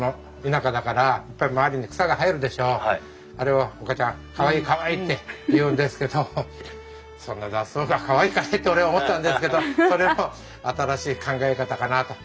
あれは岡ちゃんかわいいかわいいって言うんですけどそんな雑草がかわいいかねって俺は思ったんですけどそれも新しい考え方かなと。